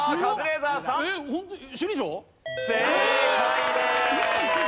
正解です。